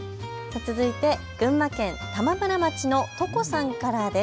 続いて群馬県玉村町のとこさんからです。